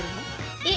えっ。